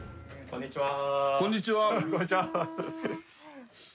こんにちは。